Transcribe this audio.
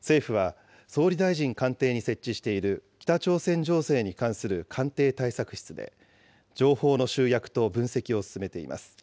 政府は、総理大臣官邸に設置している北朝鮮情勢に関する官邸対策室で情報の集約と分析を進めています。